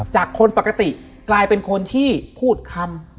คนปกติกลายเป็นคนที่พูดคำ